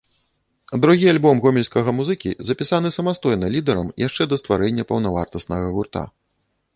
Другі альбом гомельскага музыкі, запісаны самастойна лідарам, яшчэ да стварэння паўнавартаснага гурта.